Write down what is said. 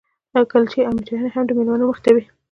کلچې او میټایانې هم د مېلمنو مخې ته وې.